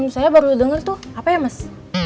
saya baru dengar tuh apa ya mas